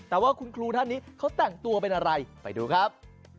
แต่ว่าคุณครูท่านนี้เขาแต่งตัวเป็นอะไรไปดูครับ